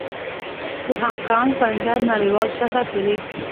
د هانګ کانګ بندر نړیوال شهرت لري.